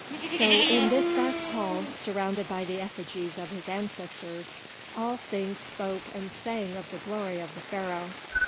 So in this vast hall, surrounded by the effigies of his ancestors, all things spoke and sang of the glory of the Pharaoh.